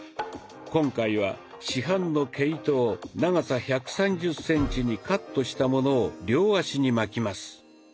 今回は市販の毛糸を長さ１３０センチにカットしたものを両足に巻きます。